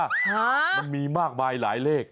ฮะมันมีมากมายหลายเลข